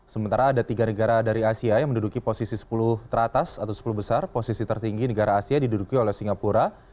sementara ada tiga negara dari asia yang menduduki posisi sepuluh teratas atau sepuluh besar posisi tertinggi negara asia diduduki oleh singapura